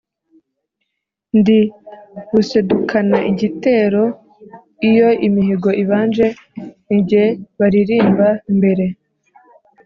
Ndi rusedukana igitero, iyo imihigo ibanje ni jye balirimba mbere